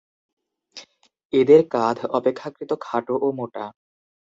এদের কাঁধ অপেক্ষাকৃত খাটো ও মোটা।